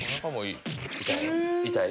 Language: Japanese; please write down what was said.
痛い？